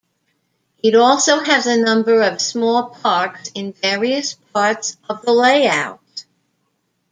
It also has a number of small parks in various parts of the layout.